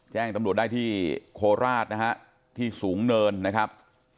แจ้งตำรวจได้ที่โคราชนะฮะที่สูงเนินนะครับ